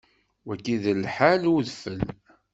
Wagi d lḥal n udfel.